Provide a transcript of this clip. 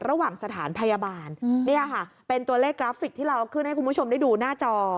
ระหว่างสถานพยาบาลเนี่ยค่ะเป็นตัวเลขกราฟิกที่เราเอาขึ้นให้คุณผู้ชมได้ดูหน้าจอ